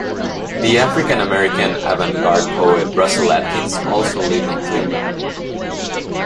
The African-American avant garde poet Russell Atkins also lived in Cleveland.